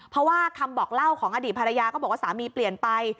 เพราะว่าคำบอกเล่าของอดีตภรรยาก็บอกว่าสามีเปลี่ยนไป